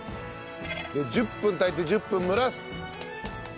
１０分炊いて１０分蒸らす！